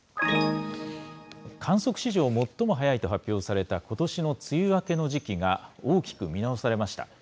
観測史上最も早いと発表されたことしの梅雨明けの時期が、大きく見直されました。